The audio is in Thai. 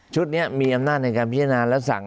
นี้มีอำนาจในการพิจารณาและสั่ง